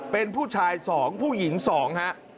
เป็นผู้ชาย๒ผู้หญิง๒ฮะ